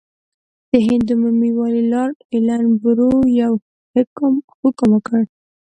د هند عمومي والي لارډ ایلن برو یو حکم وکړ.